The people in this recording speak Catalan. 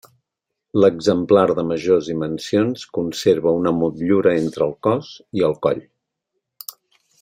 L'exemplar de majors dimensions conserva una motllura entre el cos i el coll.